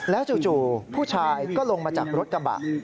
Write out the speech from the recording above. แล้วจู่ผู้ชายก็ลงมาจากรถกำบะ